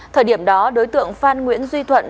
thời điểm đó đối tượng phan nguyễn duy thuận